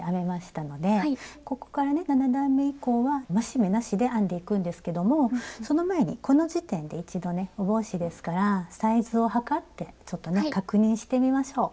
ここからね７段め以降は増し目なしで編んでいくんですけどもその前にこの時点で一度ねお帽子ですからサイズを測ってちょっとね確認してみましょう。